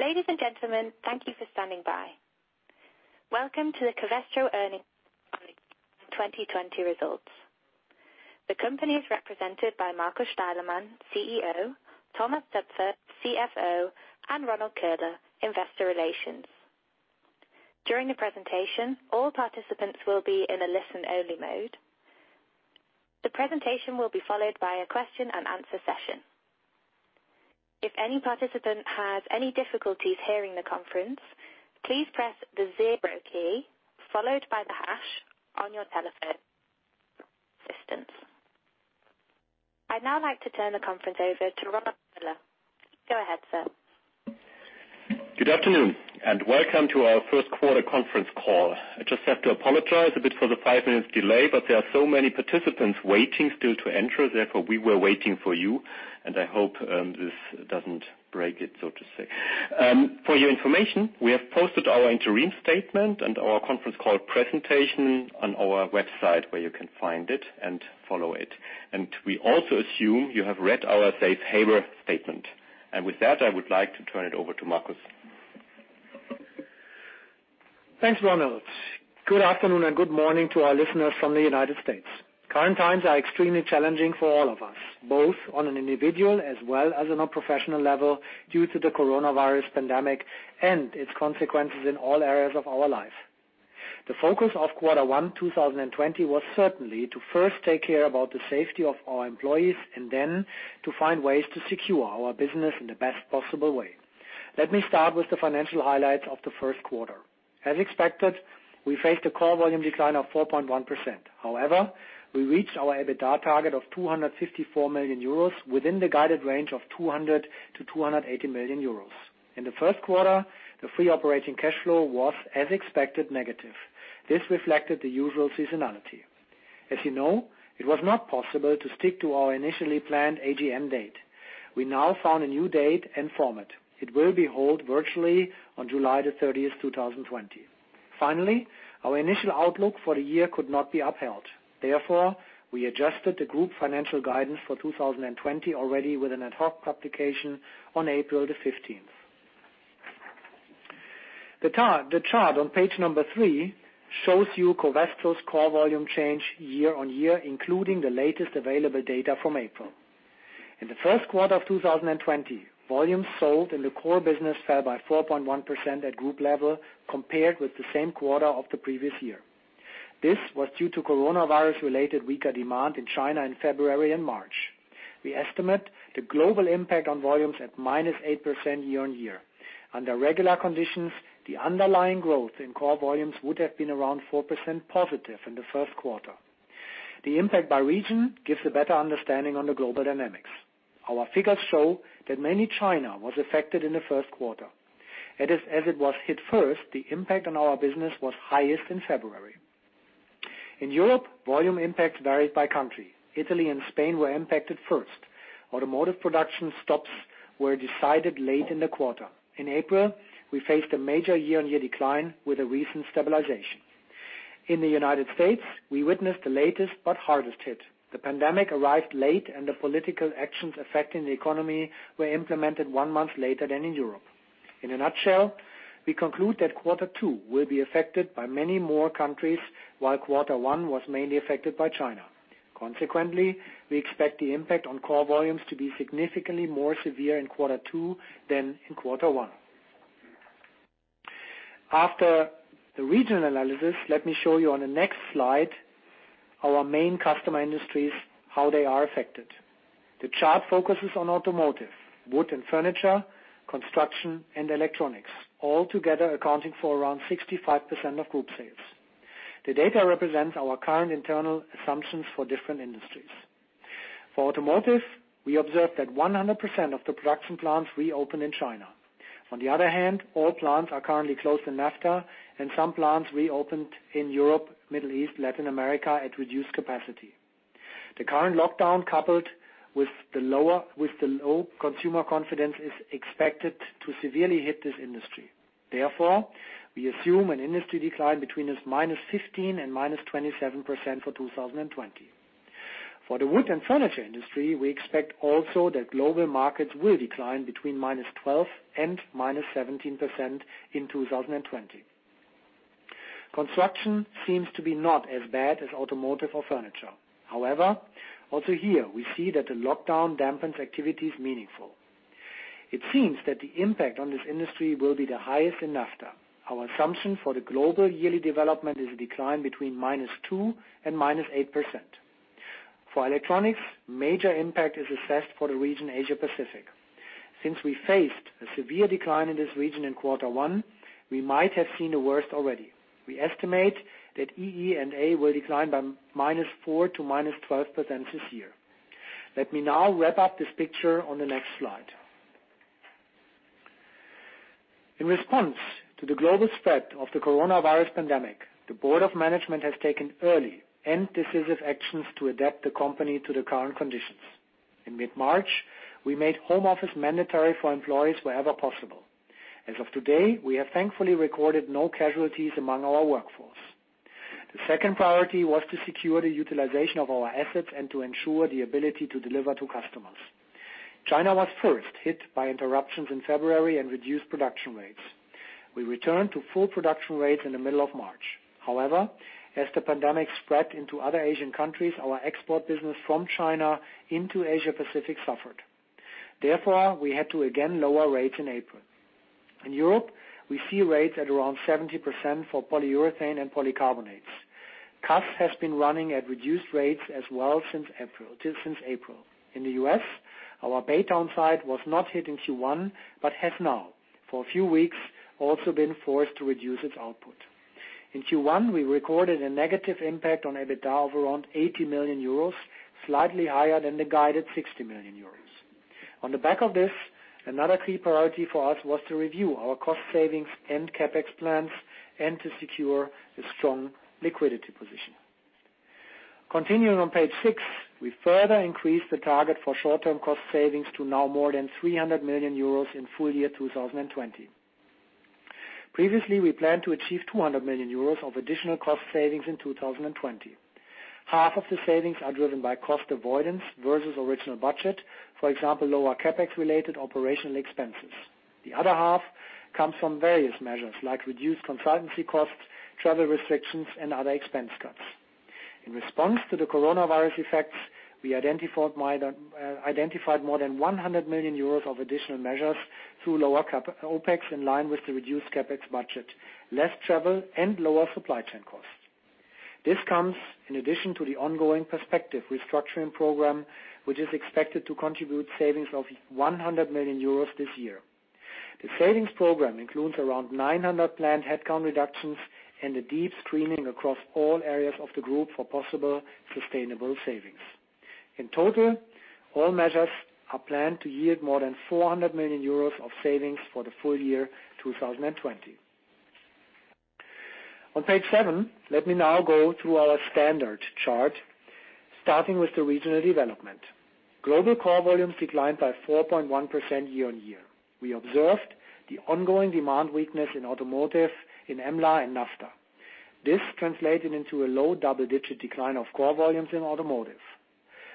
Ladies and gentlemen, thank you for standing by. Welcome to the Covestro earning 2020 results. The company is represented by Markus Steilemann, CEO, Thomas Toepfer, CFO, and Ronald Köhler, investor relations. During the presentation, all participants will be in a listen-only mode. The presentation will be followed by a question and answer session. If any participant has any difficulties hearing the conference, please press the zero key followed by the hash on your telephone. I'd now like to turn the conference over to Ronald Köhler. Go ahead, sir. Good afternoon, welcome to our first quarter conference call. I just have to apologize a bit for the five minutes delay, but there are so many participants waiting still to enter, therefore, we were waiting for you, and I hope this doesn't break it, so to say. For your information, we have posted our interim statement and our conference call presentation on our website, where you can find it and follow it. We also assume you have read our safe harbor statement. With that, I would like to turn it over to Markus. Thanks, Ronald. Good afternoon and good morning to our listeners from the United States. Current times are extremely challenging for all of us, both on an individual as well as on a professional level due to the coronavirus pandemic and its consequences in all areas of our life. The focus of quarter one 2020 was certainly to first take care about the safety of our employees and then to find ways to secure our business in the best possible way. Let me start with the financial highlights of the first quarter. As expected, we faced a core volume decline of 4.1%. We reached our EBITDA target of 254 million euros within the guided range of 200 million-280 million euros. In the first quarter, the free operating cash flow was, as expected, negative. This reflected the usual seasonality. As you know, it was not possible to stick to our initially planned AGM date. We now found a new date and format. It will be held virtually on July the 30th, 2020. Finally, our initial outlook for the year could not be upheld. Therefore, we adjusted the group financial guidance for 2020 already with an ad hoc publication on April the 15th. The chart on page number three shows you Covestro's core volume change year-on-year, including the latest available data from April. In the first quarter of 2020, volumes sold in the core business fell by 4.1% at group level compared with the same quarter of the previous year. This was due to coronavirus-related weaker demand in China in February and March. We estimate the global impact on volumes at -8% year-on-year. Under regular conditions, the underlying growth in core volumes would have been around 4% positive in the first quarter. The impact by region gives a better understanding on the global dynamics. Our figures show that mainly China was affected in the first quarter. As it was hit first, the impact on our business was highest in February. In Europe, volume impact varied by country. Italy and Spain were impacted first. Automotive production stops were decided late in the quarter. In April, we faced a major year-on-year decline with a recent stabilization. In the United States, we witnessed the latest but hardest hit. The pandemic arrived late. The political actions affecting the economy were implemented one month later than in Europe. In a nutshell, we conclude that quarter 2 will be affected by many more countries, while quarter 1 was mainly affected by China. Consequently, we expect the impact on core volumes to be significantly more severe in quarter two than in quarter one. After the regional analysis, let me show you on the next slide our main customer industries, how they are affected. The chart focuses on automotive, wood and furniture, construction, and electronics, altogether accounting for around 65% of group sales. The data represents our current internal assumptions for different industries. For automotive, we observed that 100% of the production plants reopened in China. On the other hand, all plants are currently closed in NAFTA, and some plants reopened in Europe, Middle East, Latin America, at reduced capacity. The current lockdown, coupled with the low consumer confidence, is expected to severely hit this industry. Therefore, we assume an industry decline between -15% and -27% for 2020. For the wood and furniture industry, we expect also that global markets will decline between -12% and -17% in 2020. Construction seems to be not as bad as automotive or furniture. Also here we see that the lockdown dampens activities meaningfully. It seems that the impact on this industry will be the highest in NAFTA. Our assumption for the global yearly development is a decline between -2% and -8%. For electronics, major impact is assessed for the region Asia-Pacific. We faced a severe decline in this region in quarter one, we might have seen the worst already. We estimate that EE&A will decline by -4% to -12% this year. Let me now wrap up this picture on the next slide. In response to the global spread of the coronavirus pandemic, the board of management has taken early and decisive actions to adapt the company to the current conditions. In mid-March, we made home office mandatory for employees wherever possible. As of today, we have thankfully recorded no casualties among our workforce. The second priority was to secure the utilization of our assets and to ensure the ability to deliver to customers. China was first hit by interruptions in February and reduced production rates. We returned to full production rates in the middle of March. As the pandemic spread into other Asian countries, our export business from China into Asia-Pacific suffered. We had to again lower rates in April. In Europe, we see rates at around 70% for Polyurethanes and Polycarbonates. CAS has been running at reduced rates as well since April. In the U.S., our Baytown site was not hit in Q1, but has now, for a few weeks, also been forced to reduce its output. In Q1, we recorded a negative impact on EBITDA of around 80 million euros, slightly higher than the guided 60 million euros. On the back of this, another key priority for us was to review our cost savings and CapEx plans and to secure a strong liquidity position. Continuing on page six, we further increased the target for short-term cost savings to now more than 300 million euros in full-year 2020. Previously, we planned to achieve 200 million euros of additional cost savings in 2020. Half of the savings are driven by cost avoidance versus original budget. For example, lower CapEx-related operational expenses. The other half comes from various measures, like reduced consultancy costs, travel restrictions, and other expense cuts. In response to the coronavirus effects, we identified more than 100 million euros of additional measures through lower OpEx in line with the reduced CapEx budget, less travel, and lower supply chain costs. This comes in addition to the ongoing perspective restructuring program, which is expected to contribute savings of 100 million euros this year. The savings program includes around 900 planned headcount reductions and a deep screening across all areas of the group for possible sustainable savings. In total, all measures are planned to yield more than 400 million euros of savings for the full year 2020. On page seven, let me now go through our standard chart, starting with the regional development. Global core volumes declined by 4.1% year-on-year. We observed the ongoing demand weakness in automotive in EMEA and NAFTA. This translated into a low double-digit decline of core volumes in automotive.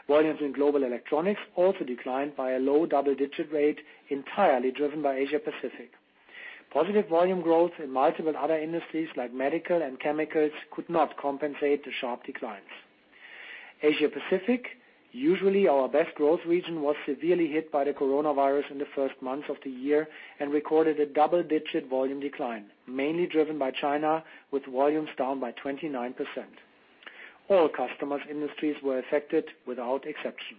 Volumes in global Electronics also declined by a low double-digit rate entirely driven by Asia-Pacific. Positive volume growth in multiple other industries like medical and chemicals could not compensate the sharp declines. Asia-Pacific, usually our best growth region, was severely hit by the coronavirus in the first months of the year and recorded a double-digit volume decline, mainly driven by China, with volumes down by 29%. All customers industries were affected without exception.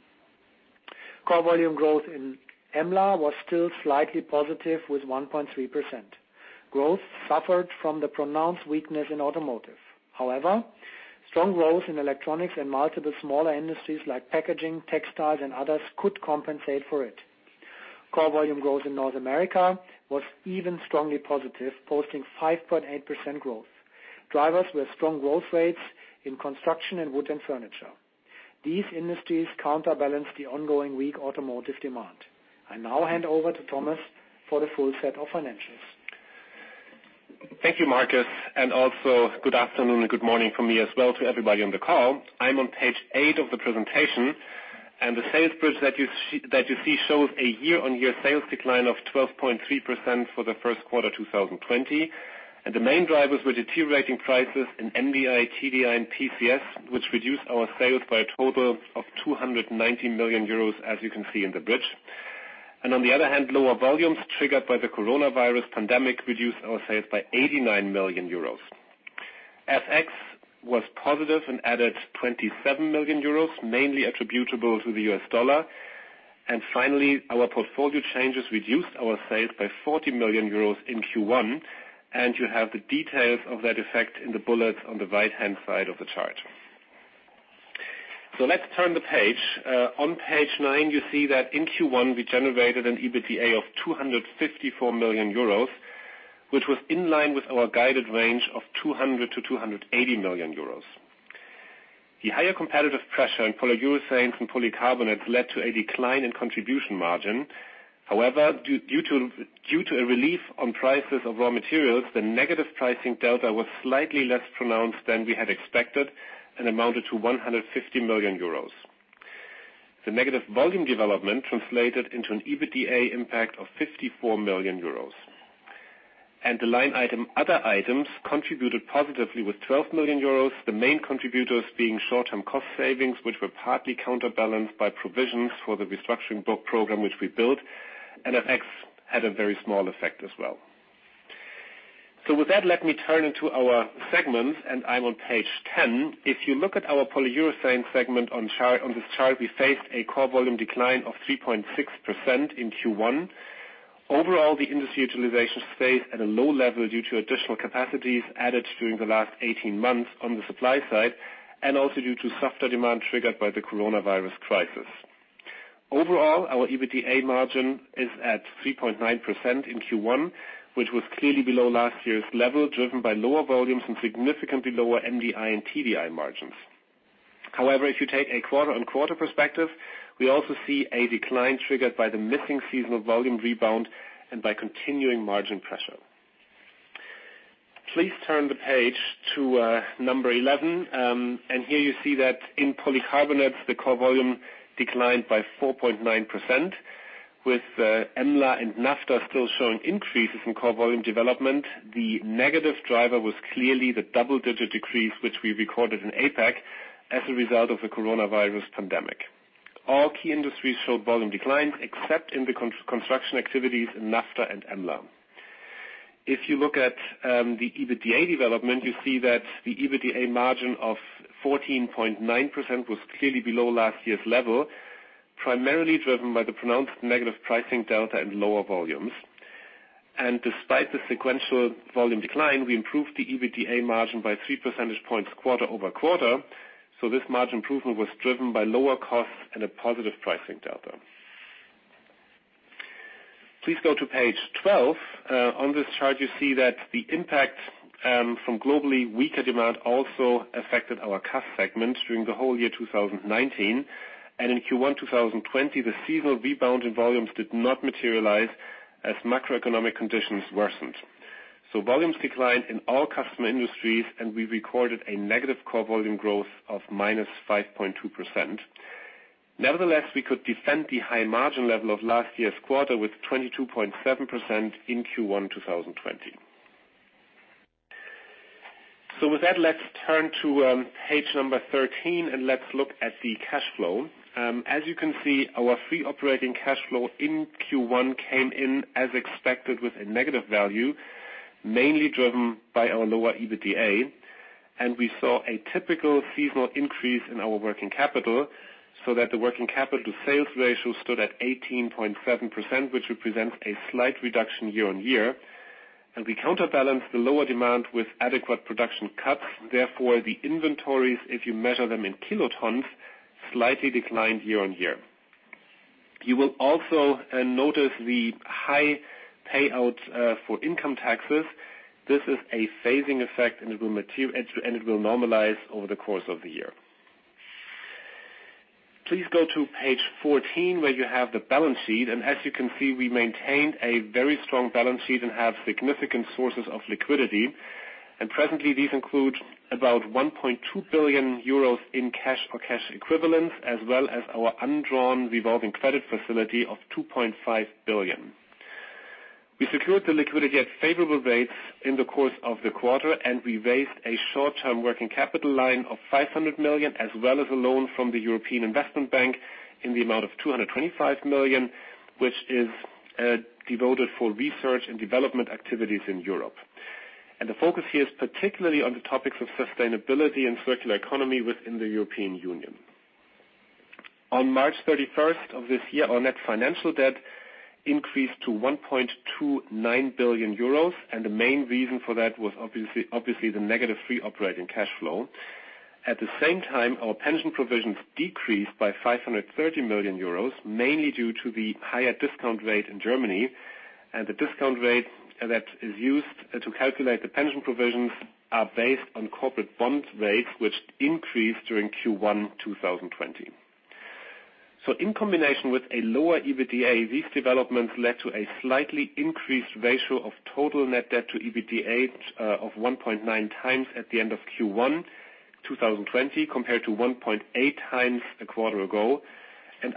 Core volume growth in EMEA was still slightly positive with 1.3%. Growth suffered from the pronounced weakness in automotive. Strong growth in Electronics and multiple smaller industries like packaging, textiles, and others could compensate for it. Core volume growth in North America was even strongly positive, posting 5.8% growth, with strong growth rates in construction and wood and furniture. These industries counterbalance the ongoing weak automotive demand. I now hand over to Thomas for the full set of financials. Thank you, Markus, also good afternoon and good morning from me as well to everybody on the call. I'm on page eight of the presentation. The sales bridge that you see shows a year-on-year sales decline of 12.3% for the first quarter 2020. The main drivers were deteriorating prices in MDI, TDI, and PCS, which reduced our sales by a total of 290 million euros, as you can see in the bridge. On the other hand, lower volumes triggered by the coronavirus pandemic reduced our sales by 89 million euros. FX was positive and added 27 million euros, mainly attributable to the US dollar. Finally, our portfolio changes reduced our sales by 40 million euros in Q1. You have the details of that effect in the bullets on the right-hand side of the chart. Let's turn the page. On page nine, you see that in Q1, we generated an EBITDA of 254 million euros, which was in line with our guided range of 200 million-280 million euros. The higher competitive pressure in Polyurethanes and Polycarbonates led to a decline in contribution margin. However, due to a relief on prices of raw materials, the negative pricing delta was slightly less pronounced than we had expected and amounted to 150 million euros. The negative volume development translated into an EBITDA impact of 54 million euros. The line item, other items, contributed positively with 12 million euros, the main contributors being short-term cost savings, which were partly counterbalanced by provisions for the restructuring program which we built, and FX had a very small effect as well. With that, let me turn into our segments, and I'm on page 10. If you look at our Polyurethanes segment on this chart, we faced a core volume decline of 3.6% in Q1. Overall, the industry utilization stayed at a low level due to additional capacities added during the last 18 months on the supply side, and also due to softer demand triggered by the coronavirus crisis. Overall, our EBITDA margin is at 3.9% in Q1, which was clearly below last year's level, driven by lower volumes and significantly lower MDI and TDI margins. However, if you take a quarter-on-quarter perspective, we also see a decline triggered by the missing seasonal volume rebound and by continuing margin pressure. Please turn the page to number 11. Here you see that in Polycarbonates, the core volume declined by 4.9%, with EMEA and NAFTA still showing increases in core volume development. The negative driver was clearly the double-digit decrease, which we recorded in APAC, as a result of the coronavirus pandemic. All key industries showed volume declines, except in the construction activities in NAFTA and EMEA. If you look at the EBITDA development, you see that the EBITDA margin of 14.9% was clearly below last year's level, primarily driven by the pronounced negative pricing delta and lower volumes. Despite the sequential volume decline, we improved the EBITDA margin by 3 percentage points quarter-over-quarter. This margin improvement was driven by lower costs and a positive pricing delta. Please go to page 12. On this chart you see that the impact from globally weaker demand also affected our CAS segments during the whole year 2019. In Q1 2020, the seasonal rebound in volumes did not materialize as macroeconomic conditions worsened. Volumes declined in all customer industries, and we recorded a negative core volume growth of -5.2%. Nevertheless, we could defend the high margin level of last year's quarter with 22.7% in Q1 2020. With that, let's turn to page number 13 and let's look at the cash flow. As you can see, our free operating cash flow in Q1 came in as expected with a negative value, mainly driven by our lower EBITDA. We saw a typical seasonal increase in our working capital so that the working capital to sales ratio stood at 18.7%, which represents a slight reduction year-on-year. We counterbalanced the lower demand with adequate production cuts. Therefore, the inventories, if you measure them in kilotons, slightly declined year-on-year. You will also notice the high payouts for income taxes. This is a phasing effect, and it will normalize over the course of the year. Please go to page 14 where you have the balance sheet, and as you can see, we maintained a very strong balance sheet and have significant sources of liquidity. Presently, these include about 1.2 billion euros in cash or cash equivalents, as well as our undrawn revolving credit facility of 2.5 billion. We secured the liquidity at favorable rates in the course of the quarter, and we raised a short-term working capital line of 500 million, as well as a loan from the European Investment Bank in the amount of 225 million, which is devoted for research and development activities in Europe. The focus here is particularly on the topics of sustainability and circular economy within the European Union. On March 31st of this year, our net financial debt increased to 1.29 billion euros. The main reason for that was obviously the negative free operating cash flow. At the same time, our pension provisions decreased by 530 million euros, mainly due to the higher discount rate in Germany. The discount rate that is used to calculate the pension provisions are based on corporate bond rates, which increased during Q1 2020. In combination with a lower EBITDA, these developments led to a slightly increased ratio of total net debt to EBITDA of 1.9 times at the end of Q1 2020 compared to 1.8 times a quarter ago.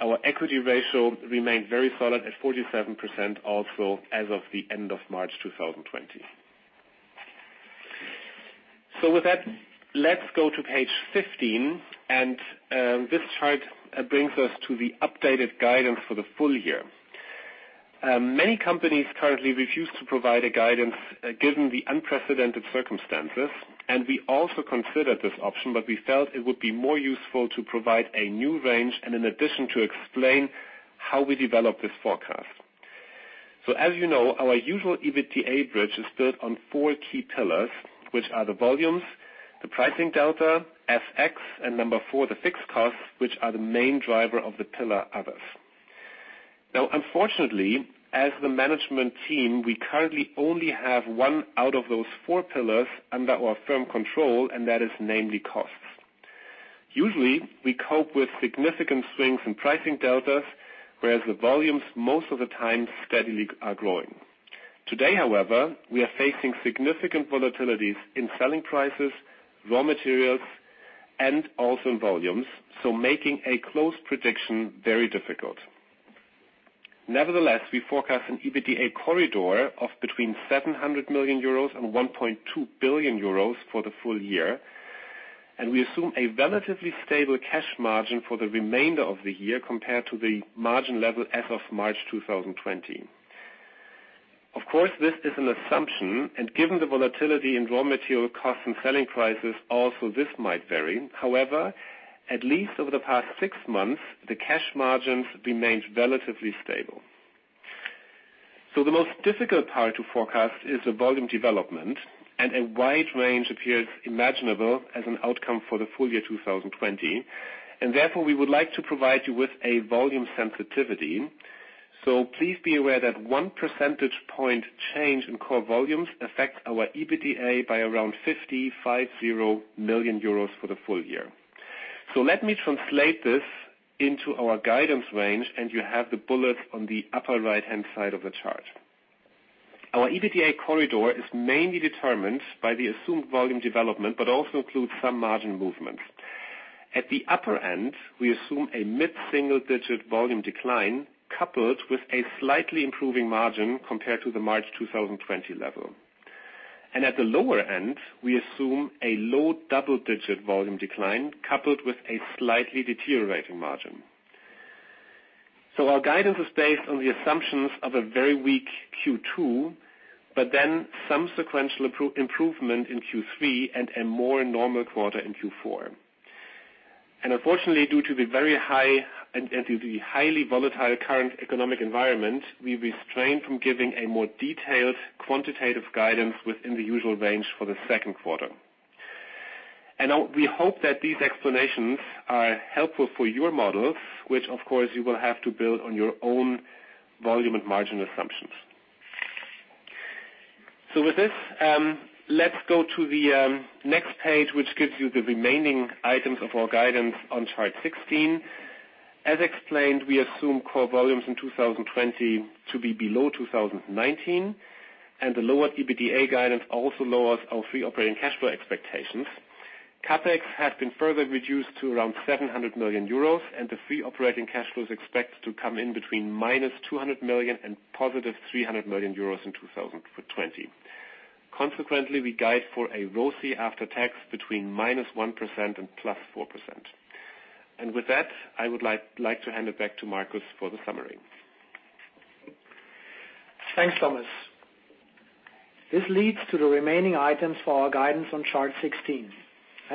Our equity ratio remained very solid at 47%, also as of the end of March 2020. With that, let's go to page 15, and this chart brings us to the updated guidance for the full year. Many companies currently refuse to provide a guidance given the unprecedented circumstances, and we also considered this option. We felt it would be more useful to provide a new range and in addition to explain how we developed this forecast. As you know, our usual EBITDA bridge is built on four key pillars, which are the volumes, the pricing delta, FX, and number 4, the fixed costs, which are the main driver of the pillar others. Unfortunately, as the management team, we currently only have one out of those four pillars under our firm control, and that is namely costs. Usually, we cope with significant swings in pricing deltas, whereas the volumes most of the time steadily are growing. Today, however, we are facing significant volatilities in selling prices, raw materials, and also in volumes, so making a close prediction very difficult. Nevertheless, we forecast an EBITDA corridor of between 700 million euros and 1.2 billion euros for the full year, and we assume a relatively stable cash margin for the remainder of the year compared to the margin level as of March 2020. Given the volatility in raw material costs and selling prices, also this might vary. However, at least over the past six months, the cash margins remained relatively stable. The most difficult part to forecast is the volume development, and a wide range appears imaginable as an outcome for the full year 2020. Therefore, we would like to provide you with a volume sensitivity. Please be aware that one percentage point change in core volumes affects our EBITDA by around 50 million euros for the full year. Let me translate this into our guidance range, and you have the bullets on the upper right-hand side of the chart. Our EBITDA corridor is mainly determined by the assumed volume development, but also includes some margin movements. At the upper end, we assume a mid-single-digit volume decline, coupled with a slightly improving margin compared to the March 2020 level. At the lower end, we assume a low double-digit volume decline coupled with a slightly deteriorating margin. Our guidance is based on the assumptions of a very weak Q2, but then some sequential improvement in Q3 and a more normal quarter in Q4. Unfortunately, due to the very high and to the highly volatile current economic environment, we restrain from giving a more detailed quantitative guidance within the usual range for the second quarter. We hope that these explanations are helpful for your models, which of course you will have to build on your own volume and margin assumptions. With this, let's go to the next page, which gives you the remaining items of our guidance on chart 16. As explained, we assume core volumes in 2020 to be below 2019, and the lower EBITDA guidance also lowers our free operating cash flow expectations. CapEx has been further reduced to around 700 million euros, and the free operating cash flow is expected to come in between minus 200 million and positive 300 million euros in 2020. Consequently, we guide for a ROCE after tax between minus 1% and plus 4%. With that, I would like to hand it back to Markus for the summary. Thanks, Thomas. This leads to the remaining items for our guidance on chart 16. Oh,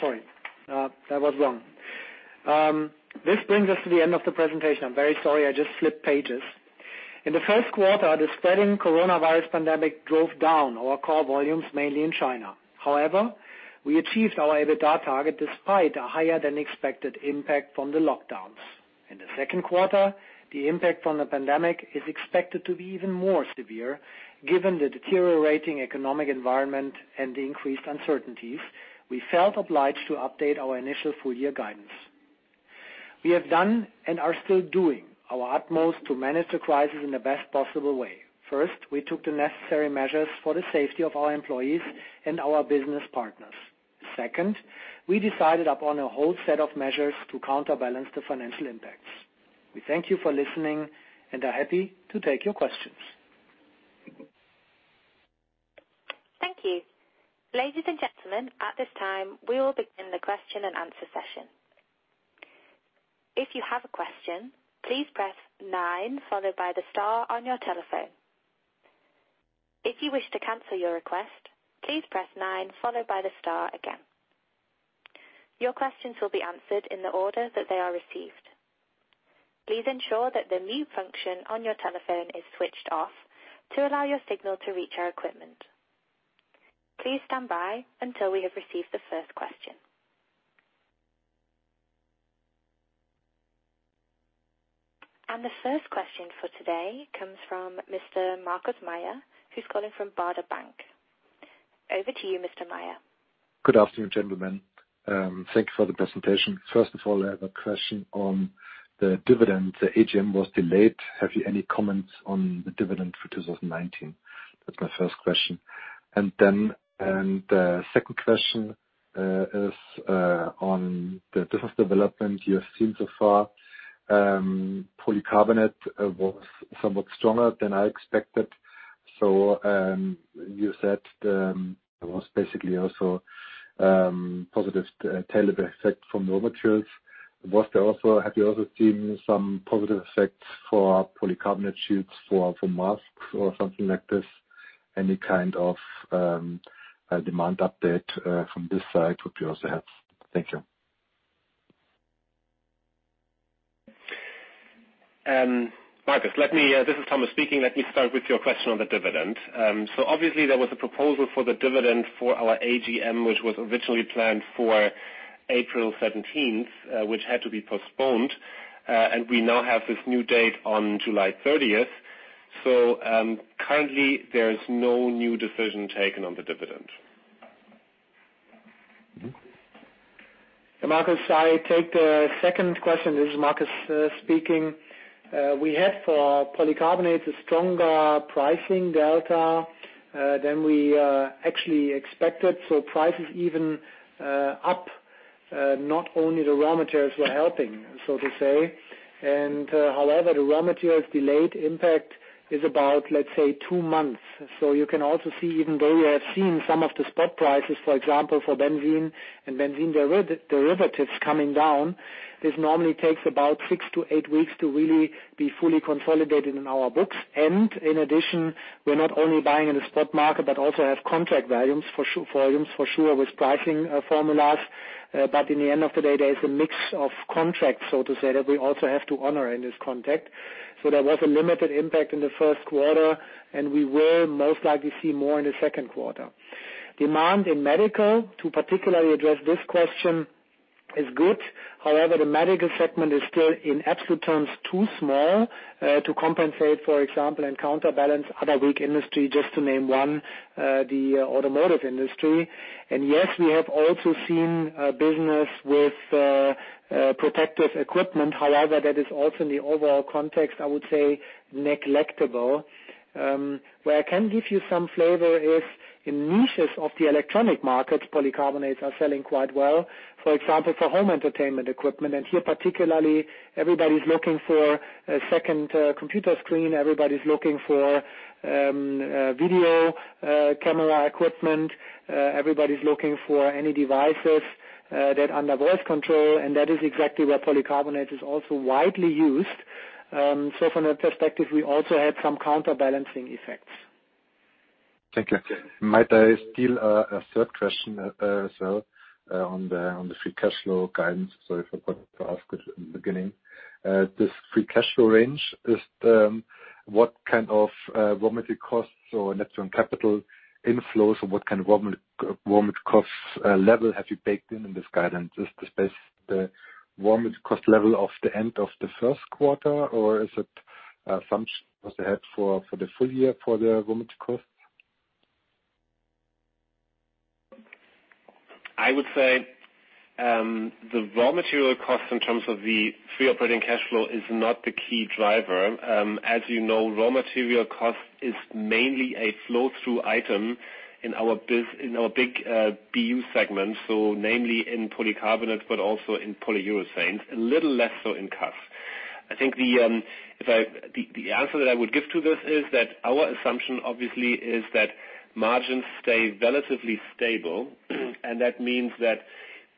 sorry. That was wrong. This brings us to the end of the presentation. I'm very sorry I just slipped pages. In the first quarter, the spreading coronavirus pandemic drove down our core volumes, mainly in China. However, we achieved our EBITDA target despite a higher-than-expected impact from the lockdowns. In the second quarter, the impact from the pandemic is expected to be even more severe. Given the deteriorating economic environment and the increased uncertainties, we felt obliged to update our initial full-year guidance. We have done and are still doing our utmost to manage the crisis in the best possible way. First, we took the necessary measures for the safety of our employees and our business partners. Second, we decided upon a whole set of measures to counterbalance the financial impacts. We thank you for listening and are happy to take your questions. Thank you. Ladies and gentlemen, at this time, we will begin the question-and-answer session. If you have a question, please press nine followed by the star on your telephone. If you wish to cancel your request, please press nine followed by the star again. Your questions will be answered in the order that they are received. Please ensure that the mute function on your telephone is switched off to allow your signal to reach our equipment. Please stand by until we have received the first question. The first question for today comes from Mr. Markus Mayer, who's calling from Baader Bank. Over to you, Mr. Mayer. Good afternoon, gentlemen. Thank you for the presentation. First of all, I have a question on the dividend. The AGM was delayed. Have you any comments on the dividend for 2019? That's my first question. The second question is on the business development you have seen so far. Polycarbonate was somewhat stronger than I expected. You said there was basically also positive tail effect from the raw materials. Have you also seen some positive effects for Polycarbonate sheets for masks or something like this? Any kind of demand update from this side would be also helped. Thank you. Markus, this is Thomas speaking. Let me start with your question on the dividend. Obviously there was a proposal for the dividend for our AGM, which was originally planned for April 17th, which had to be postponed, and we now have this new date on July 30th. Currently there is no new decision taken on the dividend. Markus, I take the second question. This is Markus speaking. We have for Polycarbonates a stronger pricing delta than we actually expected. Prices even up, not only the raw materials were helping, so to say. However, the raw materials delayed impact is about, let's say, two months. You can also see, even though we have seen some of the spot prices, for example, for benzene and benzene derivatives coming down, this normally takes about six to eight weeks to really be fully consolidated in our books. In addition, we're not only buying in the spot market, but also have contract volumes for sure with pricing formulas. In the end of the day, there is a mix of contracts, so to say, that we also have to honor in this context. There was a limited impact in the first quarter, and we will most likely see more in the second quarter. Demand in medical, to particularly address this question, is good. However, the medical segment is still in absolute terms, too small to compensate, for example, and counterbalance other weak industries, just to name one, the automotive industry. Yes, we have also seen business with protective equipment. However, that is also in the overall context, I would say negligible. Where I can give you some flavor is in niches of the electronic markets, Polycarbonates are selling quite well. For example, for home entertainment equipment. Here particularly, everybody's looking for a second computer screen. Everybody's looking for video camera equipment. Everybody's looking for any devices that are under voice control, and that is exactly where Polycarbonate is also widely used. From that perspective, we also had some counterbalancing effects. Thank you. Might I steal a third question as well on the free cash flow guidance? Sorry if I forgot to ask it in the beginning. This free cash flow range, what kind of raw material costs or net term capital inflows, or what kind of raw material costs level have you baked in in this guidance? Is this the raw material cost level of the end of the first quarter, or is it thumbs ahead for the full year for the raw material costs? I would say, the raw material costs in terms of the free operating cash flow is not the key driver. As you know, raw material cost is mainly a flow-through item in our big PU segment. Namely in polycarbonate, but also in polyurethanes, a little less so in CAS. I think the answer that I would give to this is that our assumption, obviously, is that margins stay relatively stable. That means that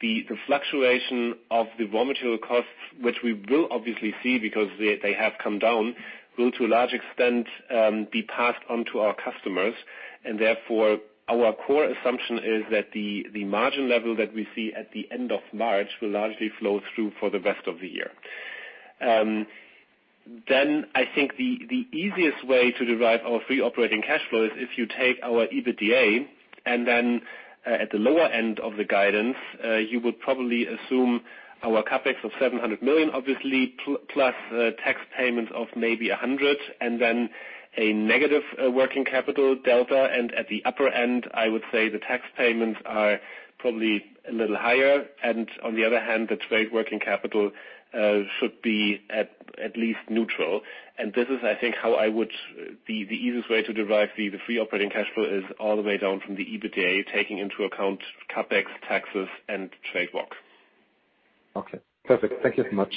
the fluctuation of the raw material costs, which we will obviously see because they have come down, will to a large extent, be passed on to our customers. Therefore, our core assumption is that the margin level that we see at the end of March will largely flow through for the rest of the year. I think the easiest way to derive our free operating cash flow is if you take our EBITDA, at the lower end of the guidance, you would probably assume our CapEx of 700 million obviously, plus tax payment of maybe 100, and then a negative working capital delta. At the upper end, I would say the tax payments are probably a little higher, on the other hand, the trade working capital should be at least neutral. This is, I think, the easiest way to derive the free operating cash flow is all the way down from the EBITDA, taking into account CapEx, taxes, and trade work. Okay, perfect. Thank you so much.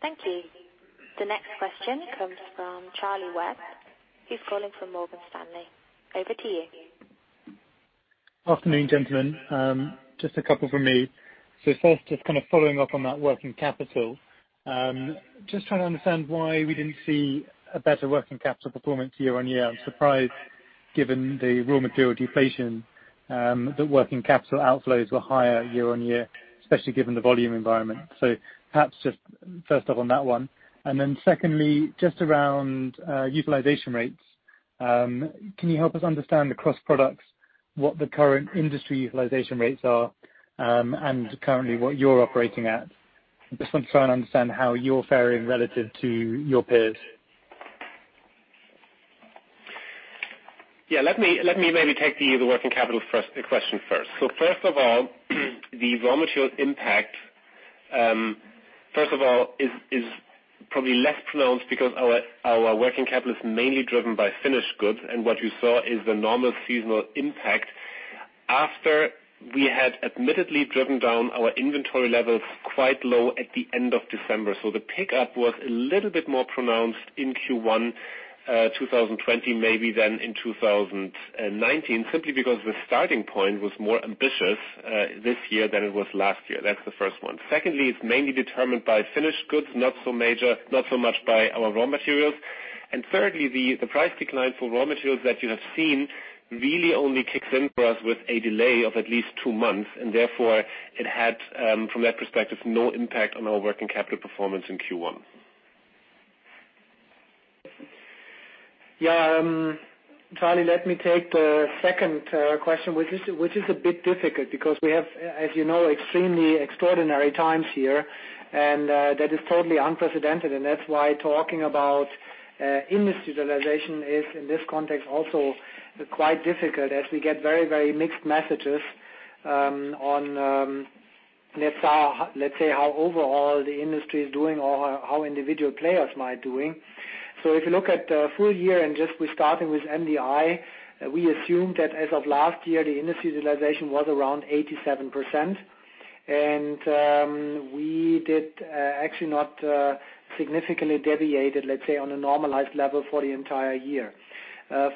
Thank you. The next question comes from Charlie Webb. He's calling from Morgan Stanley. Over to you. Afternoon, gentlemen. Just a couple from me. First, just kind of following up on that working capital. Just trying to understand why we didn't see a better working capital performance year-over-year. I'm surprised, given the raw material deflation, that working capital outflows were higher year-over-year, especially given the volume environment. Perhaps just first off on that one. Secondly, just around utilization rates. Can you help us understand across products what the current industry utilization rates are and currently what you're operating at? I'm just trying to understand how you're faring relative to your peers. Yeah. Let me maybe take the working capital question first. First of all, the raw material impact, first of all, is probably less pronounced because our working capital is mainly driven by finished goods. What you saw is the normal seasonal impact after we had admittedly driven down our inventory levels quite low at the end of December. The pickup was a little bit more pronounced in Q1 2020, maybe than in 2019, simply because the starting point was more ambitious this year than it was last year. That's the first one. Secondly, it's mainly determined by finished goods, not so much by our raw materials. Thirdly, the price decline for raw materials that you have seen really only kicks in for us with a delay of at least two months, and therefore it had, from that perspective, no impact on our working capital performance in Q1. Yeah. Charlie, let me take the second question, which is a bit difficult because we have, as you know, extremely extraordinary times here. That is totally unprecedented. That's why talking about industry utilization is, in this context, also quite difficult as we get very mixed messages on, let's say how overall the industry is doing or how individual players might doing. If you look at the full year and just we're starting with MDI, we assume that as of last year, the industry utilization was around 87%. We did actually not significantly deviated, let's say, on a normalized level for the entire year.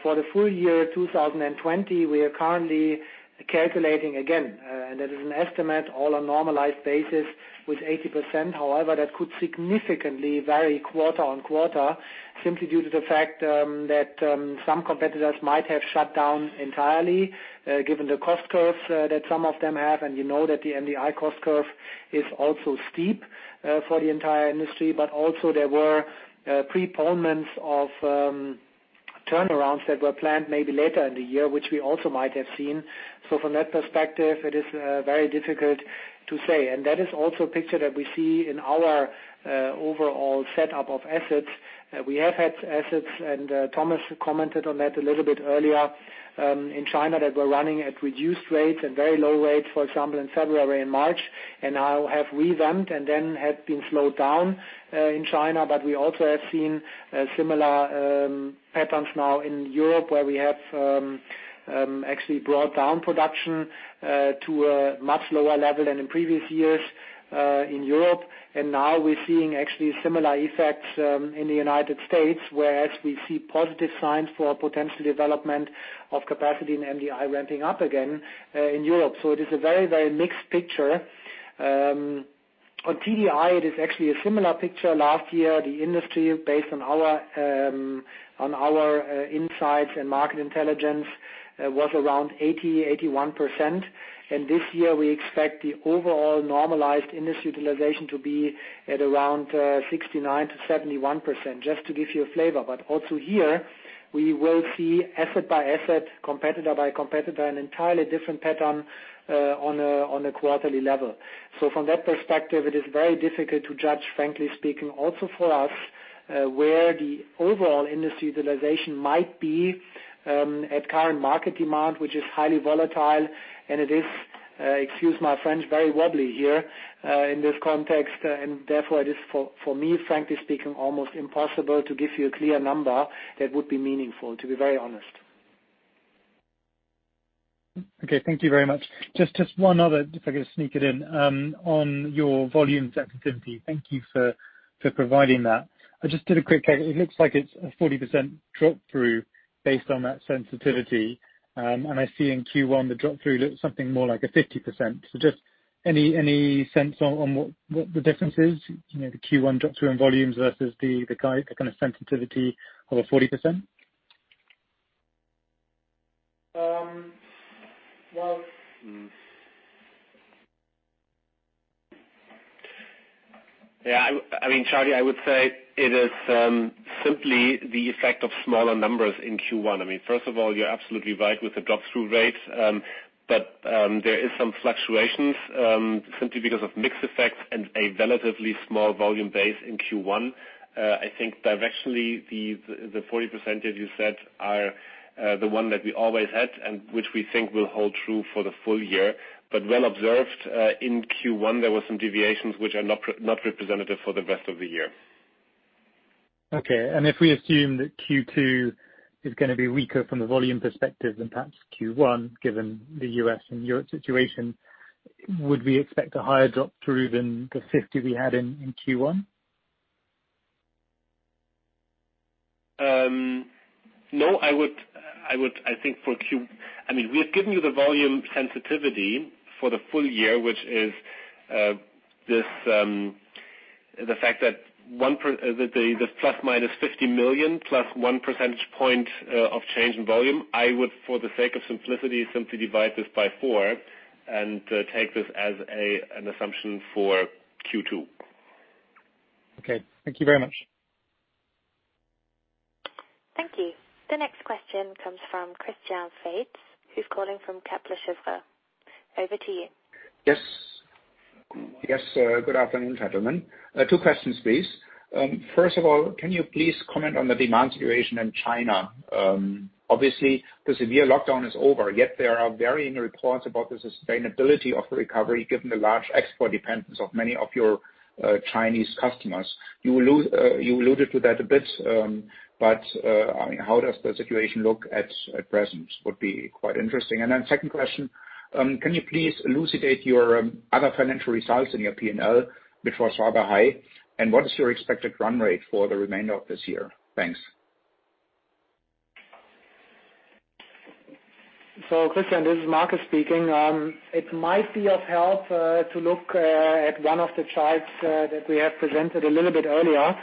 For the full year 2020, we are currently calculating again, and that is an estimate all on normalized basis with 80%. That could significantly vary quarter on quarter simply due to the fact that some competitors might have shut down entirely, given the cost curves that some of them have. You know that the MDI cost curve is also steep for the entire industry. Also there were postponements of turnarounds that were planned maybe later in the year, which we also might have seen. From that perspective, it is very difficult to say. That is also a picture that we see in our overall setup of assets. We have had assets, and Thomas commented on that a little bit earlier, in China that were running at reduced rates and very low rates, for example, in February and March, and now have revamped and then have been slowed down, in China. We also have seen similar patterns now in Europe, where we have actually brought down production to a much lower level than in previous years in Europe. Now we're seeing actually similar effects in the U.S., whereas we see positive signs for potential development of capacity in MDI ramping up again in Europe. It is a very, very mixed picture. On TDI, it is actually a similar picture. Last year, the industry, based on our insights and market intelligence, was around 80%-81%. This year, we expect the overall normalized industry utilization to be at around 69%-71%, just to give you a flavor. Also here, we will see asset by asset, competitor by competitor, an entirely different pattern on a quarterly level. From that perspective, it is very difficult to judge, frankly speaking, also for us, where the overall industry utilization might be, at current market demand, which is highly volatile. It is, excuse my French, very wobbly here, in this context. Therefore it is, for me, frankly speaking, almost impossible to give you a clear number that would be meaningful, to be very honest. Okay. Thank you very much. Just one other, if I could sneak it in, on your volumes sensitivity. Thank you for providing that. I just did a quick take. It looks like it's a 40% drop-through based on that sensitivity. I see in Q1 the drop-through looks something more like a 50%. Just any sense on what the difference is? The Q1 drop-through in volumes versus the guide, the kind of sensitivity of a 40%? Well. Yeah. I mean, Charlie, I would say it is simply the effect of smaller numbers in Q1. First of all, you're absolutely right with the drop-through rates. There is some fluctuations, simply because of mix effects and a relatively small volume base in Q1. I think directionally, the 40%, as you said, are the one that we always had and which we think will hold true for the full year. Well observed. In Q1, there were some deviations which are not representative for the rest of the year. Okay. If we assume that Q2 is gonna be weaker from the volume perspective than perhaps Q1, given the U.S. and Europe situation, would we expect a higher drop-through than the 50 we had in Q1? No. We've given you the volume sensitivity for the full year, which is the fact that the ±50 million plus one percentage point, of change in volume. I would, for the sake of simplicity, simply divide this by four and take this as an assumption for Q2. Okay. Thank you very much. Thank you. The next question comes from Christian Faitz, who's calling from Kepler Cheuvreux. Over to you. Yes. Good afternoon, gentlemen. Two questions, please. First of all, can you please comment on the demand situation in China? Obviously, the severe lockdown is over, yet there are varying reports about the sustainability of the recovery, given the large export dependence of many of your Chinese customers. You alluded to that a bit. How does the situation look at present, would be quite interesting. Second question, can you please elucidate your other financial results in your P&L before Saba High? What is your expected run rate for the remainder of this year? Thanks. Christian, this is Markus speaking. It might be of help to look at one of the charts that we have presented a little bit earlier,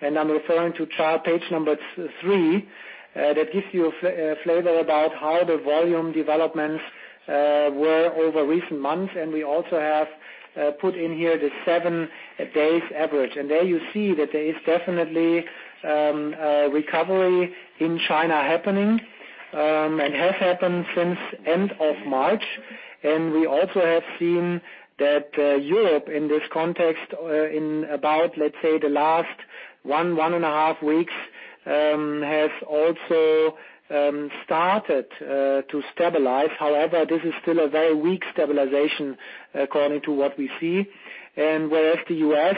and I'm referring to chart page number three. That gives you a flavor about how the volume developments were over recent months. We also have put in here the seven days average. There you see that there is definitely a recovery in China happening, and has happened since end of March. We also have seen that Europe, in this context, in about, let's say, the last one and a half weeks, has also started to stabilize. However, this is still a very weak stabilization according to what we see. Whereas the U.S.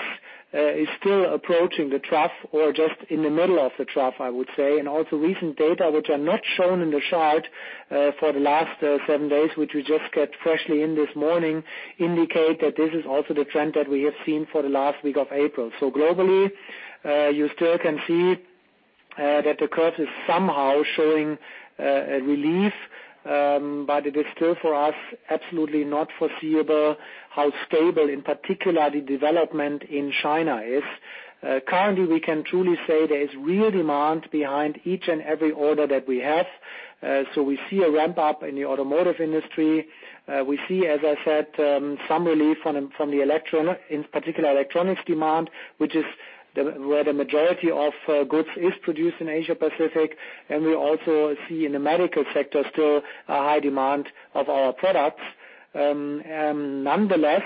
is still approaching the trough or just in the middle of the trough, I would say. Also recent data, which are not shown in the chart, for the last seven days, which we just get freshly in this morning, indicate that this is also the trend that we have seen for the last week of April. Globally, you still can see that the curve is somehow showing a relief, but it is still, for us, absolutely not foreseeable how stable, in particular, the development in China is. Currently, we can truly say there is real demand behind each and every order that we have. We see a ramp up in the automotive industry. We see, as I said, some relief from in particular electronics demand, which is where the majority of goods is produced in Asia Pacific. We also see in the medical sector, still a high demand of our products. Nonetheless,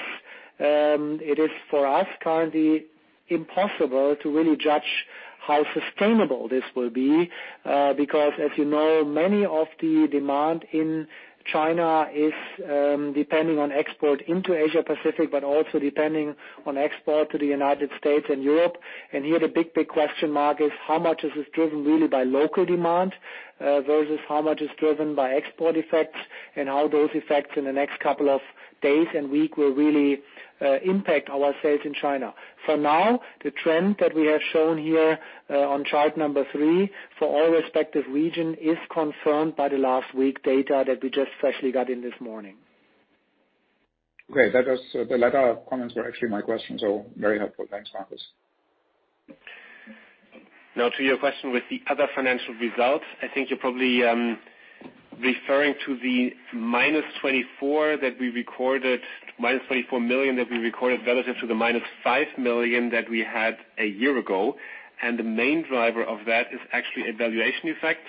it is for us currently impossible to really judge how sustainable this will be, because as you know, many of the demand in China is depending on export into Asia Pacific, but also depending on export to the United States and Europe. Here the big question mark is how much is this driven really by local demand versus how much is driven by export effects and how those effects in the next couple of days and week will really impact our sales in China. For now, the trend that we have shown here on chart number 3 for all respective region is confirmed by the last week data that we just freshly got in this morning. Great. The latter comments were actually my question, very helpful. Thanks, Markus. Now to your question with the other financial results, I think you're probably referring to the minus 24 million that we recorded relative to the minus 5 million that we had a year ago. The main driver of that is actually a valuation effect,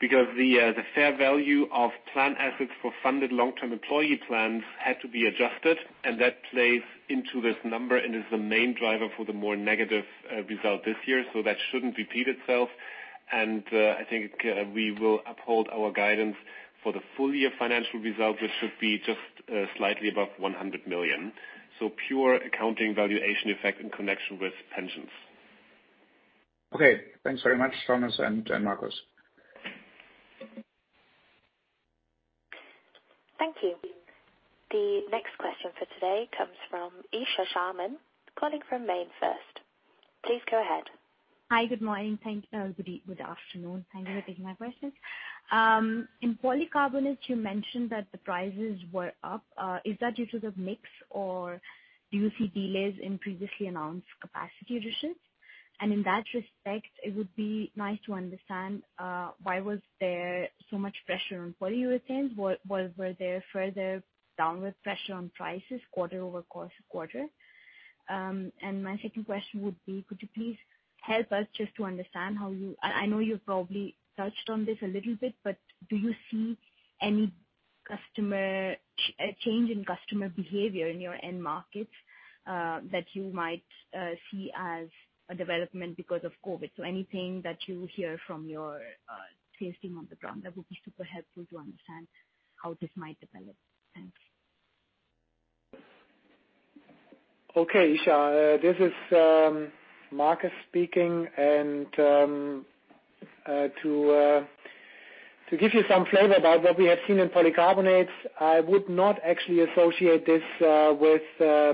because the fair value of plan assets for funded long-term employee plans had to be adjusted and that plays into this number and is the main driver for the more negative result this year. That shouldn't repeat itself. I think we will uphold our guidance for the full year financial results, which should be just slightly above 100 million. Pure accounting valuation effect in connection with pensions. Okay. Thanks very much, Thomas and Markus. Thank you. The next question for today comes from Isha Sharma calling from MainFirst. Please go ahead. Hi. Good morning. Good afternoon. Thank you for taking my questions. In Polycarbonates, you mentioned that the prices were up. Is that due to the mix or do you see delays in previously announced capacity additions? In that respect, it would be nice to understand why was there so much pressure on Polyurethanes? Were there further downward pressure on prices quarter-over-quarter? My second question would be, could you please help us just to understand how you, I know you've probably touched on this a little bit, but do you see any change in customer behavior in your end markets, that you might see as a development because of COVID? Anything that you hear from your sales team on the ground that would be super helpful to understand how this might develop. Thanks. Okay, Isha. This is Markus speaking. To give you some flavor about what we have seen in Polycarbonates, I would not actually associate this with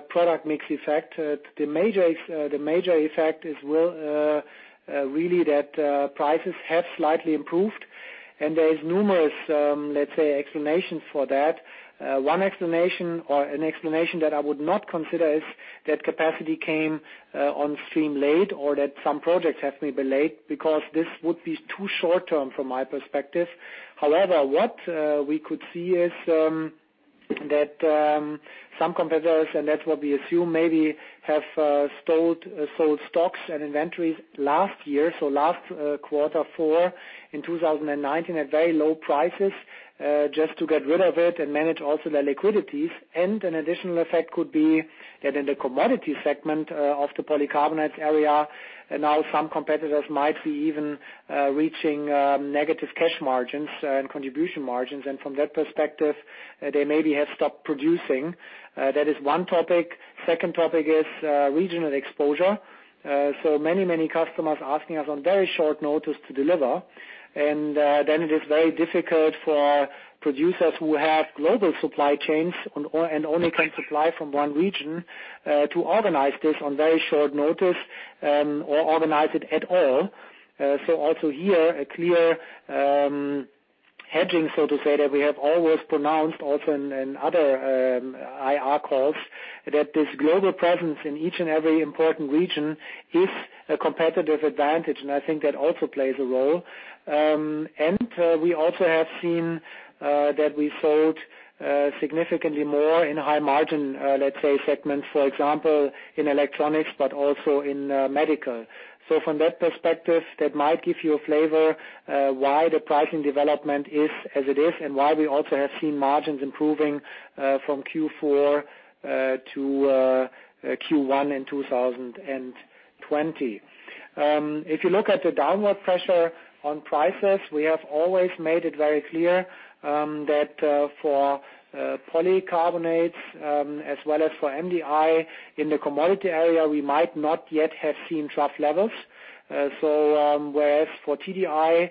product mix effect. The major effect is really that prices have slightly improved. There is numerous, let's say, explanations for that. One explanation or an explanation that I would not consider is that capacity came on stream late or that some projects have been delayed because this would be too short-term from my perspective. However, what we could see is that some competitors, and that's what we assume, maybe have sold stocks and inventories last year. Last quarter four in 2019 at very low prices, just to get rid of it and manage also their liquidities. An additional effect could be that in the commodity segment of the Polycarbonates area, some competitors might be even reaching negative cash margins and contribution margins. From that perspective, they maybe have stopped producing. That is one topic. Second topic is regional exposure. Many customers asking us on very short notice to deliver. It is very difficult for producers who have global supply chains and only can supply from one region to organize this on very short notice or organize it at all. Also here a clear hedging, so to say, that we have always pronounced also in other IR calls that this global presence in each and every important region is a competitive advantage. I think that also plays a role. We also have seen that we sold significantly more in high margin, let's say segments, for example in electronics, but also in medical. From that perspective, that might give you a flavor why the pricing development is as it is and why we also have seen margins improving from Q4 to Q1 in 2020. If you look at the downward pressure on prices, we have always made it very clear that for Polycarbonates as well as for MDI in the commodity area, we might not yet have seen trough levels. Whereas for TDI,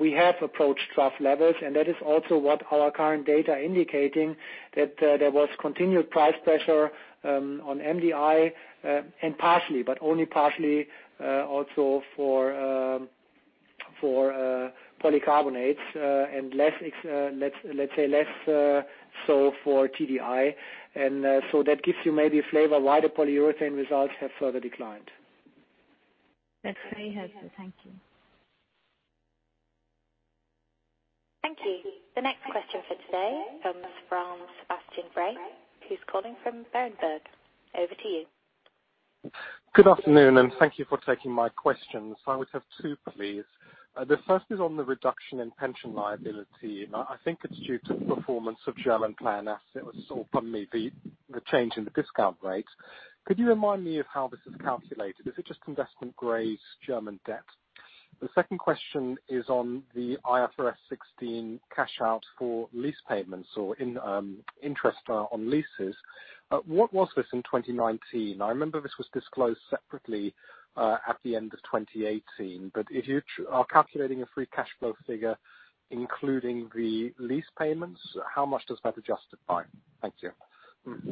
we have approached trough levels, and that is also what our current data indicating that there was continued price pressure on MDI, and partially, but only partially, also for Polycarbonates, and let's say less so for TDI. That gives you maybe a flavor why the Polyurethanes results have further declined. That's very helpful. Thank you. Thank you. The next question for today comes from Sebastian Bray, who's calling from Berenberg. Over to you. Good afternoon, and thank you for taking my questions. I would have two, please. The first is on the reduction in pension liability, and I think it is due to the performance of German plan asset was probably the change in the discount rate. Could you remind me of how this is calculated? Is it just investment-grade German debt? The second question is on the IFRS 16 cash out for lease payments or interest on leases. What was this in 2019? I remember this was disclosed separately at the end of 2018, but if you are calculating a free cash flow figure including the lease payments, how much does that adjust it by? Thank you.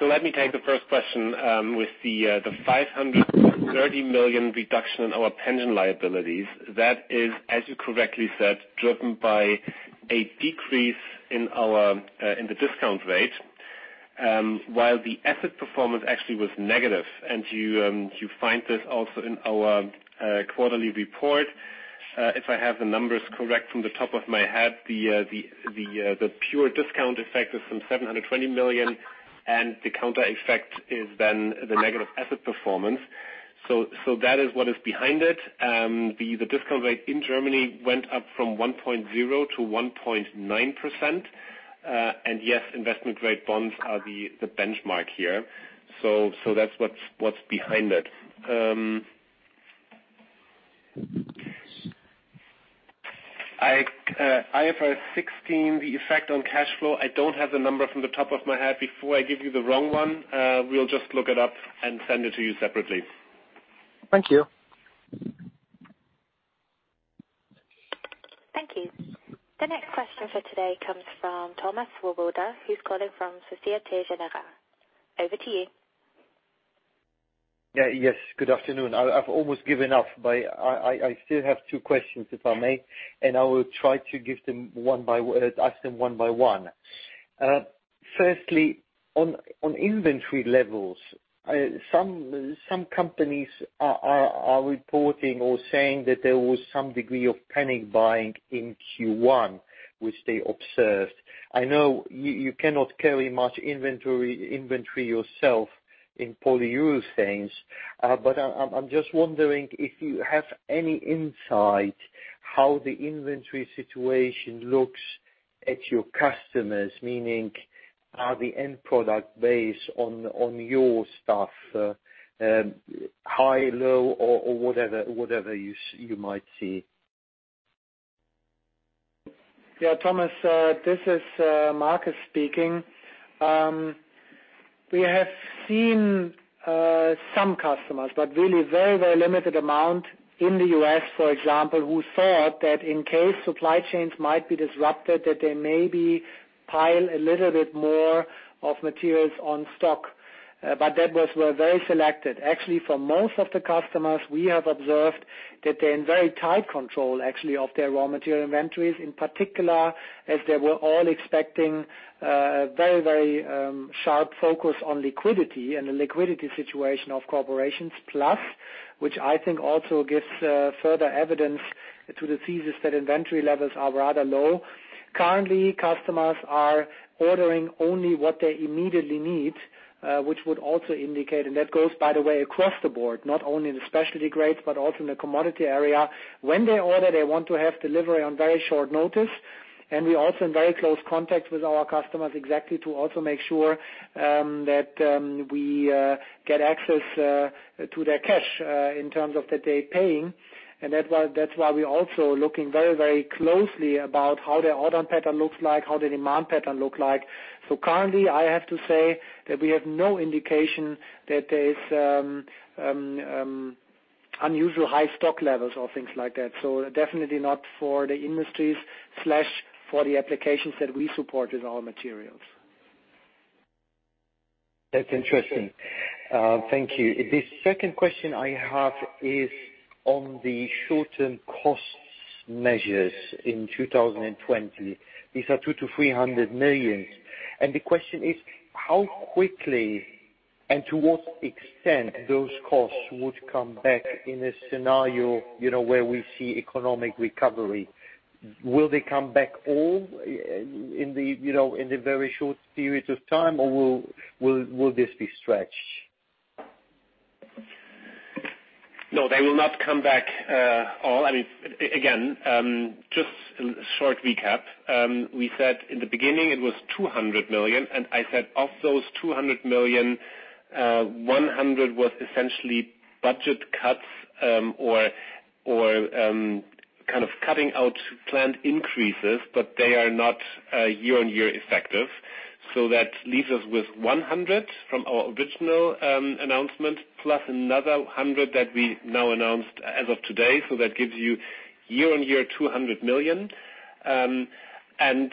Let me take the first question. With the 530 million reduction in our pension liabilities, that is, as you correctly said, driven by a decrease in the discount rate, while the asset performance actually was negative. You find this also in our quarterly report. If I have the numbers correct from the top of my head, the pure discount effect is some 720 million, and the counter effect is then the negative asset performance. That is what is behind it. The discount rate in Germany went up from 1.0%-1.9%. Yes, investment-grade bonds are the benchmark here. That's what's behind it. IFRS 16, the effect on cash flow, I don't have the number from the top of my head. Before I give you the wrong one, we'll just look it up and send it to you separately. Thank you. Thank you. The next question for today comes from Thomas Swoboda, who's calling from Societe Generale. Over to you. Yeah. Yes, good afternoon. I've almost given up, but I still have two questions, if I may, and I will try to ask them one by one. Firstly, on inventory levels, some companies are reporting or saying that there was some degree of panic buying in Q1, which they observed. I know you cannot carry much inventory yourself in Polyurethanes, but I'm just wondering if you have any insight how the inventory situation looks at your customers, meaning are the end product based on your stuff high, low, or whatever you might see? Yeah, Thomas. This is Markus speaking. We have seen some customers, but really very limited amount in the U.S., for example, who thought that in case supply chains might be disrupted, that they maybe pile a little bit more of materials on stock. That was very selected. Actually, for most of the customers, we have observed that they're in very tight control, actually, of their raw material inventories. In particular, as they were all expecting a very sharp focus on liquidity and the liquidity situation of corporations plus, which I think also gives further evidence to the thesis that inventory levels are rather low. Currently, customers are ordering only what they immediately need, which would also indicate and that goes, by the way, across the board, not only in the specialty grades, but also in the commodity area. When they order, they want to have delivery on very short notice. We're also in very close contact with our customers exactly to also make sure that we get access to their cash in terms of that they're paying. That's why we're also looking very closely about how their order pattern looks like, how the demand pattern look like. Currently, I have to say that we have no indication that there's unusual high stock levels or things like that. Definitely not for the industries/for the applications that we support with our materials. That's interesting. Thank you. The second question I have is on the short-term costs measures in 2020. These are 200 million-300 million. The question is how quickly and to what extent those costs would come back in a scenario where we see economic recovery? Will they come back all in the very short periods of time, or will this be stretched? No, they will not come back all. Again, just a short recap. We said in the beginning it was 200 million, and I said of those 200 million, 100 was essentially budget cuts or kind of cutting out planned increases, but they are not year-on-year effective. That leaves us with 100 from our original announcement plus another 100 that we now announced as of today. That gives you year-on-year 200 million. Again,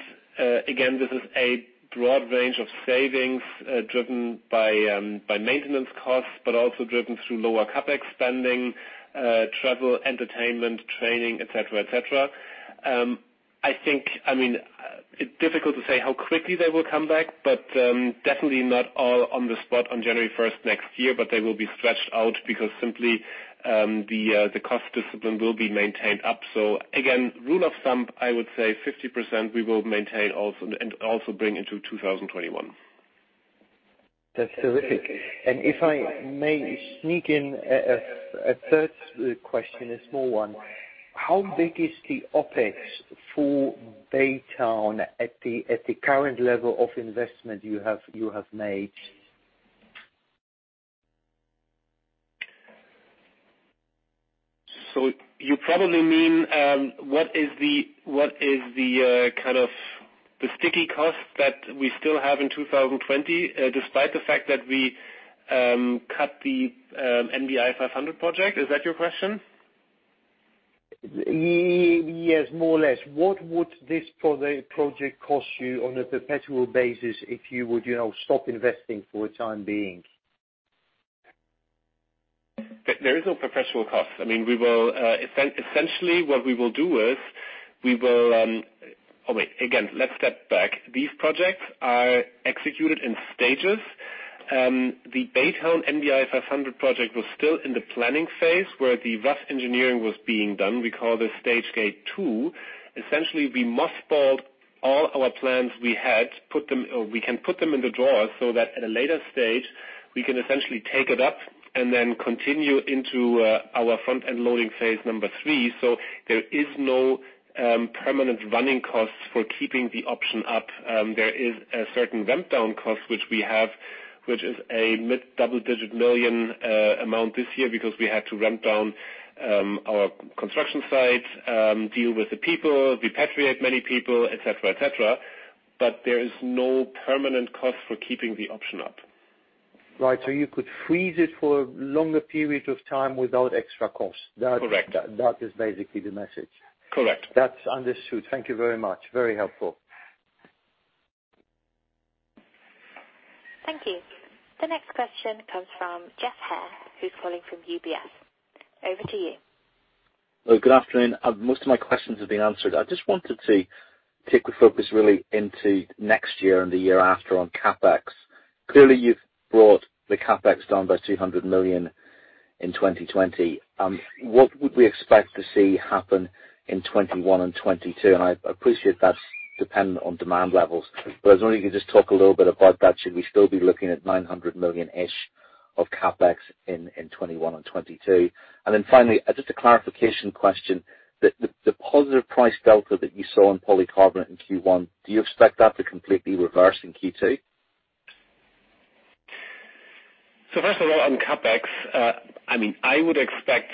this is a broad range of savings driven by maintenance costs, but also driven through lower CapEx spending, travel, entertainment, training, et cetera. I think it's difficult to say how quickly they will come back, but definitely not all on the spot on January 1st next year, but they will be stretched out because simply the cost discipline will be maintained up. Again, rule of thumb, I would say 50% we will maintain and also bring into 2021. That's terrific. If I may sneak in a third question, a small one. How big is the OpEx for Baytown at the current level of investment you have made? You probably mean what is the sticky cost that we still have in 2020, despite the fact that we cut the MDI-500 project. Is that your question? Yes, more or less. What would this project cost you on a perpetual basis if you would stop investing for the time being? There is no perpetual cost. Essentially, what we will do is we will Oh, wait. Again, let's step back. These projects are executed in stages. The Baytown MDI-500 project was still in the planning phase, where the rough engineering was being done. We call this stage gate 2. Essentially, we mothballed all our plans we had. We can put them in the drawer so that at a later stage, we can essentially take it up and then continue into our front-end loading phase number 3. There is no permanent running costs for keeping the option up. There is a certain ramp down cost, which we have, which is a mid double-digit million amount this year because we had to ramp down our construction site, deal with the people, repatriate many people, et cetera. There is no permanent cost for keeping the option up. Right. You could freeze it for a longer period of time without extra cost. Correct. That is basically the message. Correct. That's understood. Thank you very much. Very helpful. Thank you. The next question comes from Geoff Haire, who's calling from UBS. Over to you. Good afternoon. Most of my questions have been answered. I just wanted to take the focus really into next year and the year after on CapEx. You've brought the CapEx down by 200 million in 2020. What would we expect to see happen in 2021 and 2022? I appreciate that's dependent on demand levels, I was wondering if you could just talk a little bit about that. Should we still be looking at 900 million-ish of CapEx in 2021 and 2022? Finally, just a clarification question. The positive price delta that you saw in Polycarbonate in Q1, do you expect that to completely reverse in Q2? First of all, on CapEx, I would expect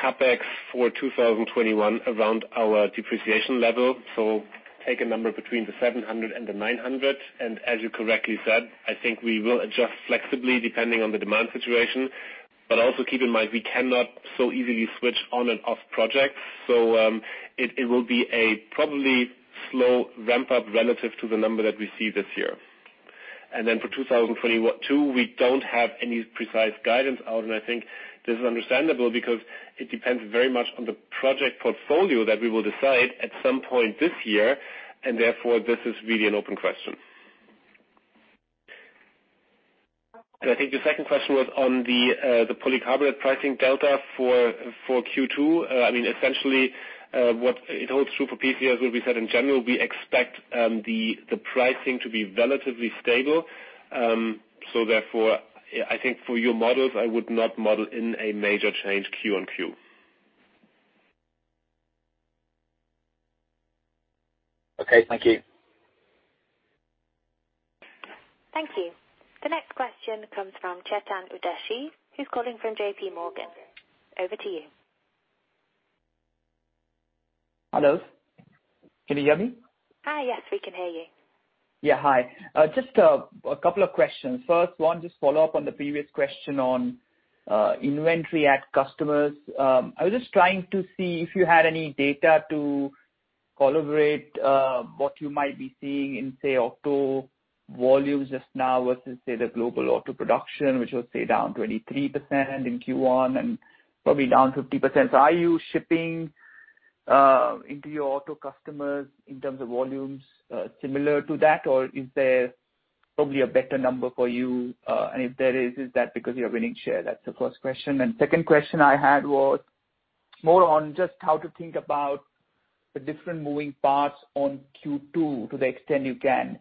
CapEx for 2021 around our depreciation level. Take a number between the 700 and the 900, and as you correctly said, I think we will adjust flexibly depending on the demand situation. Also keep in mind, we cannot so easily switch on and off projects. It will be a probably slow ramp-up relative to the number that we see this year. For 2022, we don't have any precise guidance out, and I think this is understandable because it depends very much on the project portfolio that we will decide at some point this year. This is really an open question. I think the second question was on the Polycarbonate pricing delta for Q2. Essentially, what it holds true for PC, as we said, in general, we expect the pricing to be relatively stable. Therefore, I think for your models, I would not model in a major change Q on Q. Okay. Thank you. Thank you. The next question comes from Chetan Udeshi, who's calling from JPMorgan. Over to you. Hello. Can you hear me? Hi. Yes, we can hear you. Yeah. Hi. Just a couple of questions. First one, just follow up on the previous question on inventory at customers. I was just trying to see if you had any data to calibrate what you might be seeing in, say, auto volumes just now versus, say, the global auto production, which was, say, down 23% in Q1 and probably down 50%. Are you shipping into your auto customers in terms of volumes similar to that, or is there probably a better number for you? If there is that because you're winning share? That's the first question. Second question I had was more on just how to think about the different moving parts on Q2 to the extent you can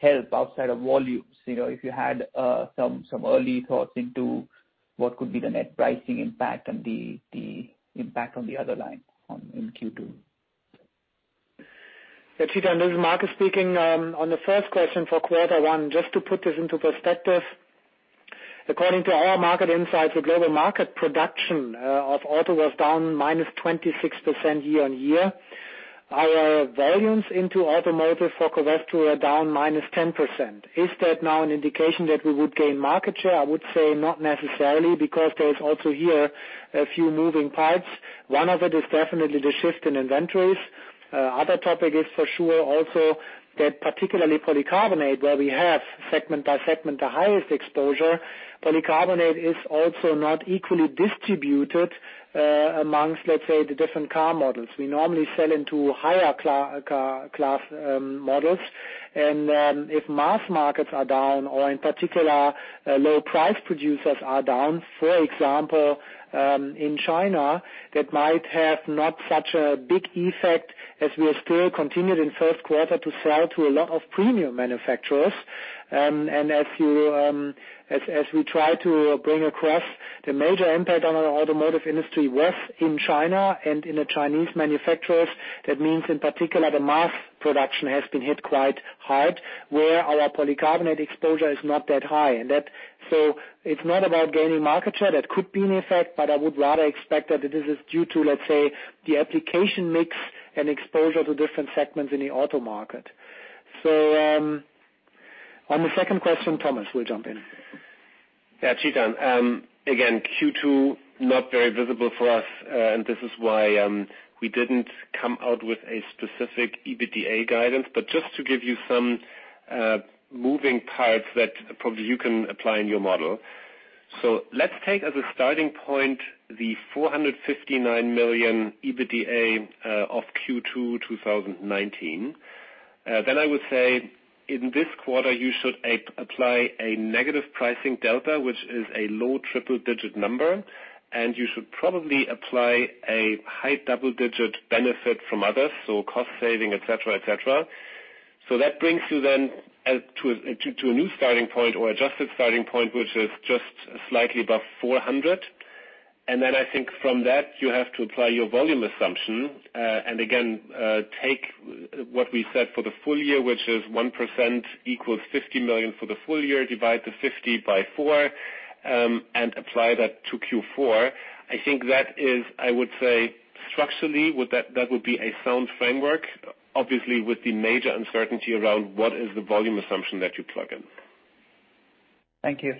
help outside of volumes. If you had some early thoughts into what could be the net pricing impact and the impact on the other line in Q2? Yeah, Chetan, this is Markus speaking. On the first question for quarter one, just to put this into perspective, according to our market insights, the global market production of auto was down -26% year-on-year. Our volumes into automotive for Covestro are down -10%. Is that now an indication that we would gain market share? I would say not necessarily because there's also here a few moving parts. One of it is definitely the shift in inventories. Other topic is for sure also that particularly Polycarbonates, where we have segment by segment the highest exposure. Polycarbonates is also not equally distributed amongst, let's say, the different car models. We normally sell into higher class models. If mass markets are down or in particular, low price producers are down, for example, in China, that might have not such a big effect as we are still continued in first quarter to sell to a lot of premium manufacturers. As we try to bring across the major impact on our automotive industry was in China and in the Chinese manufacturers. That means in particular, the mass production has been hit quite hard, where our Polycarbonates exposure is not that high. It's not about gaining market share. That could be an effect, but I would rather expect that this is due to, let's say, the application mix and exposure to different segments in the auto market. On the second question, Thomas will jump in. Yeah, Chetan. Q2, not very visible for us. This is why we didn't come out with a specific EBITDA guidance. Just to give you some moving parts that probably you can apply in your model. Let's take as a starting point the 459 million EBITDA of Q2 2019. I would say in this quarter, you should apply a negative pricing delta, which is a low triple digit number. You should probably apply a high double digit benefit from others, so cost saving, et cetera. That brings you to a new starting point or adjusted starting point, which is just slightly above 400. I think from that you have to apply your volume assumption. Again, take what we said for the full year, which is 1% equals 50 million for the full year, divide the 50 by four, and apply that to Q4. I think that is, I would say, structurally that would be a sound framework. Obviously, with the major uncertainty around what is the volume assumption that you plug in. Thank you.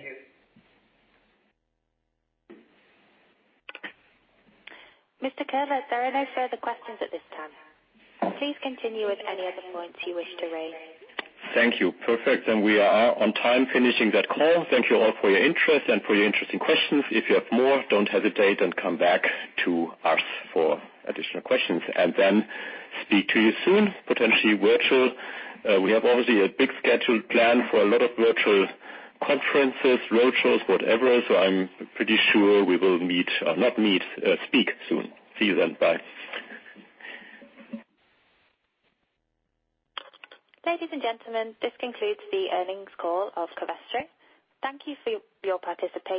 Mr. Köhler, there are no further questions at this time. Please continue with any other points you wish to raise. Thank you. Perfect. We are on time finishing that call. Thank you all for your interest and for your interesting questions. If you have more, don't hesitate and come back to us for additional questions. Speak to you soon, potentially virtual. We have obviously a big scheduled plan for a lot of virtual conferences, roadshows, whatever. I'm pretty sure we will speak soon. See you then. Bye. Ladies and gentlemen, this concludes the earnings call of Covestro. Thank you for your participation.